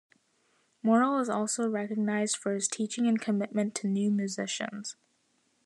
Morel is also recognized for his teaching and commitment to new musicians.